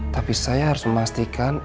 tapi saya harus memastikan